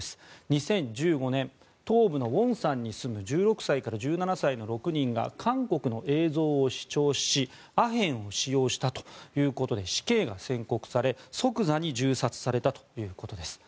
２０１５年、東部の元山に住む１６歳から１７歳の６人が韓国の映像を視聴しアヘンを使用したということで死刑が宣告され、即座に銃殺されたということです。